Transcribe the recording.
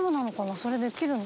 それできるの？